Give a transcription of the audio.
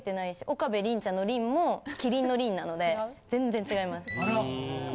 岡部麟ちゃんの麟も麒麟の麟なので全然違います。